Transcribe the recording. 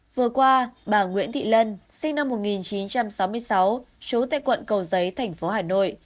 vừa qua bà nguyễn thị lân sinh năm một nghìn chín trăm sáu mươi sáu trú tại quận cầu giấy thành phố hà nội